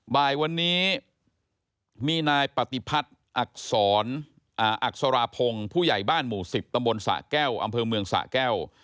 บ่ายวันนี้มีนายปฏิพัฒน์อักษรอักษราพงศ์ผู้ใหญ่บ้านหมู่๑๐ตำบลสะแก้วอำเภอเมืองสะแก้ว